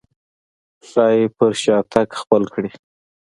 ښايي پر شا تګ خپل کړي.